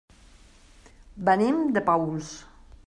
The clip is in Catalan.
Venim de Paüls.